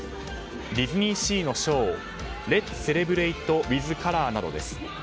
ディズニーシーのショーレッツ・セレブレイト・ウィズ・カラーなどです。